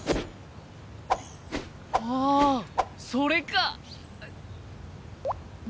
ああそれか！